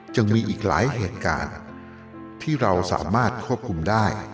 ยังมีอีกหลายเหตุการณ์ที่เราสามารถควบคุมได้